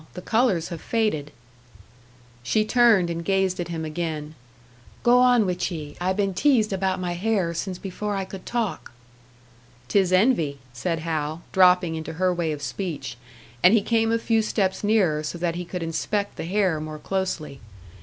The colours have faded." She turned and gazed at him again. "Go on wid ye! I been teased about my hair since before I could talk." "'Tis envy," said Hal, dropping into her way of speech; and he came a few steps nearer, so that he could inspect the hair more closely.